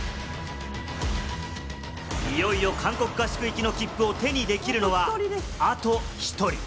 いよいよ韓国合宿行きの切符を手にできるのはあと１人。